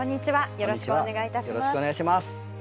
よろしくお願いします。